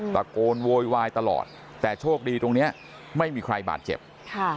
ตะโกนโวยวายตลอดแต่โชคดีตรงเนี้ยไม่มีใครบาดเจ็บค่ะ